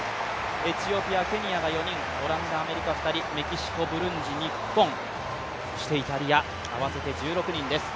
エチオピア、ケニアが４人、オランダ、アメリカ２人、メキシコ、ブルンジ、日本、イタリア、合わせて１６人です。